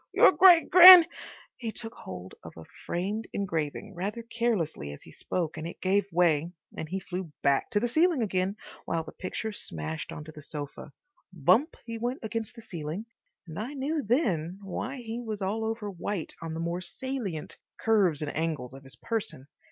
"Your great gran—" He took hold of a framed engraving rather carelessly as he spoke and it gave way, and he flew back to the ceiling again, while the picture smashed onto the sofa. Bump he went against the ceiling, and I knew then why he was all over white on the more salient curves and angles of his person.